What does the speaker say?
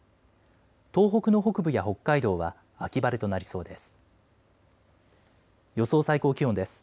東北の北部や北海道は秋晴れとなりそうです。